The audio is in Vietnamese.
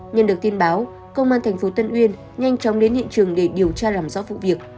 nhân được tin báo công an thành phố tân uyên nhanh chóng đến hiện trường để điều tra làm rõ vụ việc